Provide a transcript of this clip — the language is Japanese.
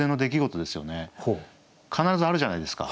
必ずあるじゃないですか。